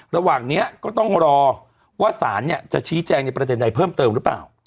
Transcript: ระหว่างนี้ก็ต้องรอว่าสารจะชี้แจงในประเด็นใดเพิ่มเติมหรือเปล่า